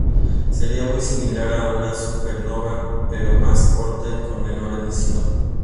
Sería muy similar a una supernova, pero más corta y con menor emisión.